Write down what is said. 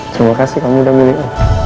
terima kasih kamu udah milih